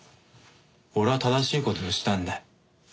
俺は正しい事をしたんだ。